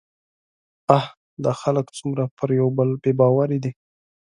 اه! دا خلک څومره پر يوبل بې باوره دي